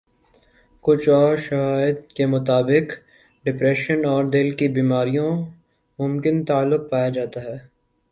کچھ اورشواہد کے مطابق ڈپریشن اور دل کی بیماریوں ممکن تعلق پایا جاتا ہے